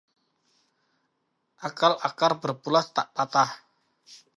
Akal akar berpulas tak patah